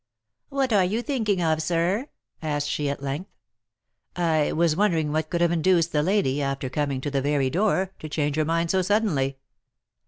"What are you thinking of, sir?" asked she at length. "I was wondering what could have induced the lady, after coming to the very door, to change her mind so suddenly."